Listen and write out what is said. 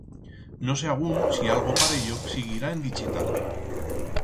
No sé agún si algo parello siguirá en dichital.